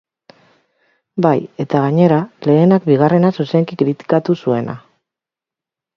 Bai, eta gainera, lehenak bigarrena zuzenki kritikatu zuena.